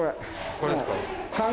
これですか？